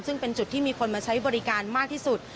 ซึ่งเป็นจุดที่มีคนมาใช้บริการมากที่สุด